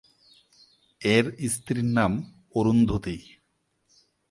এঁর স্ত্রীর নাম অরুন্ধতী।